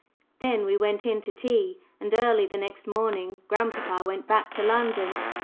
Then we went in to tea, and early the next morning grandpapa went back to London.